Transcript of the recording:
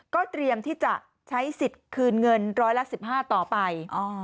ก็เตรียมที่จะใช้สิทธิ์คืนเงินร้อยละ๑๕ต่อไป